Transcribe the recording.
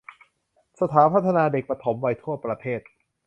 สถานพัฒนาเด็กปฐมวัยทั่วประเทศ